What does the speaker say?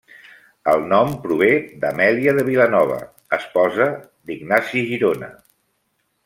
El nom prové d'Amèlia de Vilanova, esposa d'Ignasi Girona.